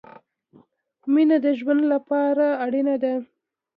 مينه د ژوند له پاره اړينه ده